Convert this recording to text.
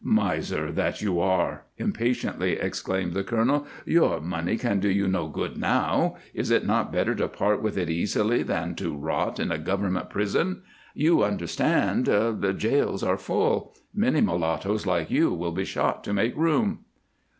"Miser that you are!" impatiently exclaimed the colonel. "Your money can do you no good now. Is it not better to part with it easily than to rot in a government prison? You understand, the jails are full; many mulattoes like you will be shot to make room."